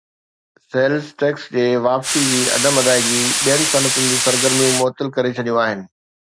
sales tax جي واپسي جي عدم ادائيگي ٻين صنعتن جون سرگرميون معطل ڪري ڇڏيون آهن